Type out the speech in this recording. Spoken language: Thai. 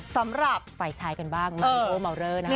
สำหรับไฟชายกันบ้างมันโทรเหมาเริ่มนะครับคุณ